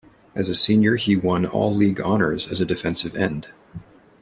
As a senior, he won All-League honors as a defensive end.